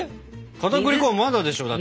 片栗粉はまだでしょ？だって。